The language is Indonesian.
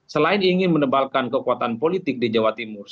selain ingin menebalkan kekuatan politik di jawa timur